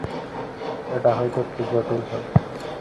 সেটা হয়তো একটু জটিল হবে।